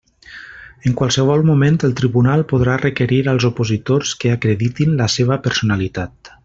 En qualsevol moment el Tribunal podrà requerir als opositors que acreditin la seva personalitat.